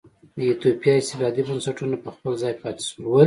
د ایتوپیا استبدادي بنسټونه په خپل ځای پاتې شول.